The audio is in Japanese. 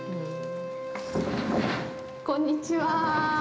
こんにちは。